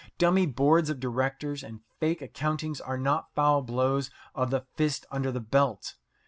Dummy boards of directors and fake accountings are not foul blows of the fist under the belt.